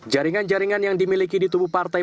jaringan jaringan yang dimiliki di tubuh partai